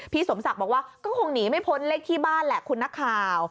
สมศักดิ์บอกว่าก็คงหนีไม่พ้นเลขที่บ้านแหละคุณนักข่าว